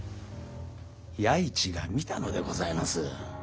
弥市が見たのでございます。